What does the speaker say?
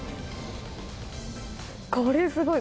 これ、すごい。